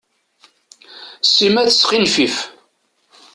Sima tesxinfif.